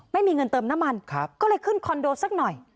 ไม่มีเงินเติมน้ำมันก็เลยขึ้นคอนโดสักหน่อย